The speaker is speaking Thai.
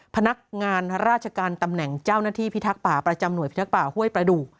พนักงานราชการตำแหน่งเจ้าหน้าที่พิทักษ์ป่าประจำหน่วยพิทักษ์ป่าห้วยประดูก